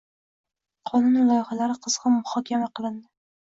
Qonun loyihalari qizg‘in muhokama qilinding